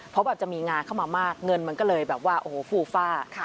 เพราะจะมีงานเข้ามามากเงินมันก็เลยฟูฟ่า